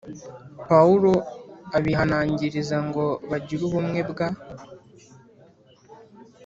Pawulo abihanangiririza ngo bagire ubumwe bwa